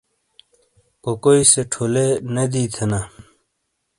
کوکوئی سے ٹھولے نے دی تھینا